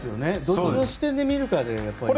どっちの視点で見るかですよね。